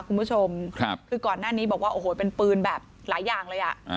คุณผู้ชมครับคือก่อนหน้านี้บอกว่าโอ้โหเป็นปืนแบบหลายอย่างเลยอ่ะ